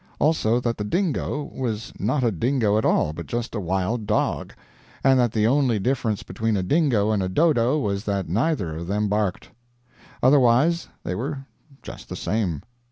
Also, that the dingo was not a dingo at all, but just a wild dog; and that the only difference between a dingo and a dodo was that neither of them barked; otherwise they were just the same.